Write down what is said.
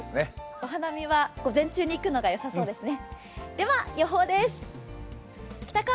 お花見は午前中に行くのがよさそうですね。